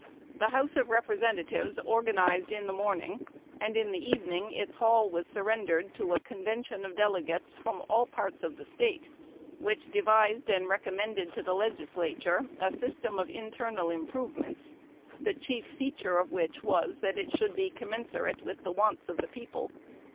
The House of Representatives organized in the morning; and in the evening its hall was surrendered to a convention of delegates from all parts of the State, which "devised and recommended to the Legislature a system of internal improvements, the chief feature of which was, that it should be commensurate with the wants of the people."